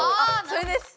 それです！